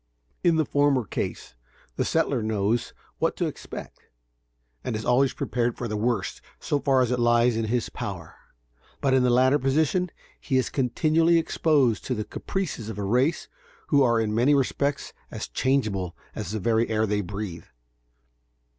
In the former case, the settler knows what to expect and is always prepared for the worst so far as it lies in his power; but, in the latter position, he is continually exposed to the caprices of a race who are in many respects as changeable as the very air they breathe.